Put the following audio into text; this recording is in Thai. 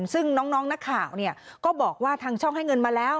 ซึ่งน้องนักข่าวก็บอกว่าทางช่องให้เงินมาแล้ว